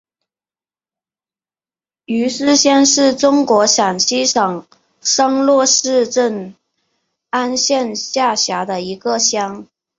余师乡是中国陕西省商洛市镇安县下辖的一个乡。